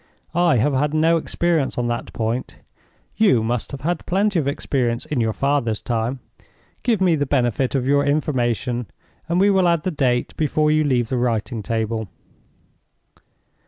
I have had no experience on that point—you must have had plenty of experience in your father's time. Give me the benefit of your information, and we will add the date before you leave the writing table."